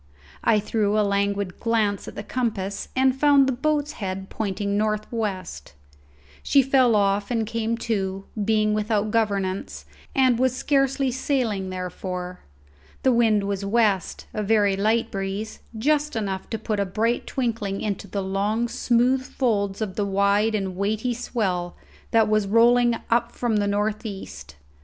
I threw a languid glance at the compass and found the boat's head pointing north west; she fell off and came to, being without governance, and was scarcely sailing therefore. The wind was west, a very light breeze, just enough to put a bright twinkling into the long, smooth folds of the wide and weighty swell that was rolling up from the north east.